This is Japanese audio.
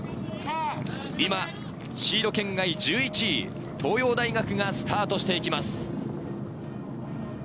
今シード圏外、１１位・東洋大学がスタートしていきました。